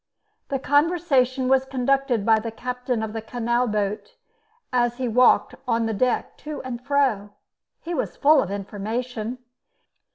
The conversation was conducted by the captain of the canal boat, as he walked on the deck to and fro. He was full of information.